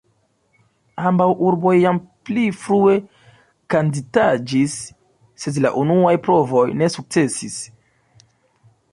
Ambaŭ urboj jam pli frue kandidatiĝis, sed la unuaj provoj ne sukcesis.